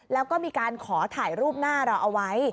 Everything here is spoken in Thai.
แล้วก็มีการขอถ่ายรูปหน้าเราเอาไว้